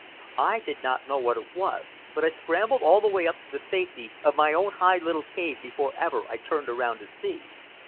I did not know what it was, but I scrambled all the way up to the safety of my own high little cave before ever I turned around to see.